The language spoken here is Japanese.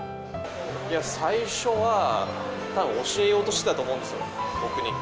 最初はたぶん、教えようとしてたと思うんですよ、僕に。